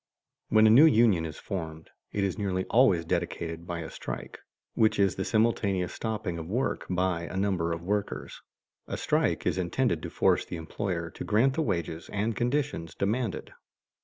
When a new union is formed, it is nearly always dedicated by a strike, which is the simultaneous stopping of work by a number of workers. A strike is intended to force the employer to grant the wages and conditions demanded.